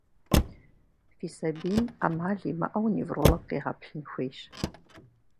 Фи сабийм Ӏэмал имыӀэу невролог къегъэплъын хуейщ.